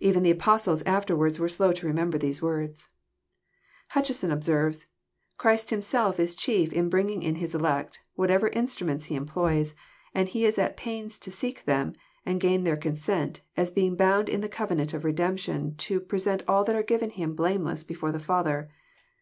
Even the apostles afterwards were slow to remember these words. Hutcheson observes :" Christ Himself is chief In bringing in His elect, whatever instruments He employs: and He is at pains to seek them, and gain their consent, as being bound in the covenant of redemption to present all that are given Him blameless before the Father."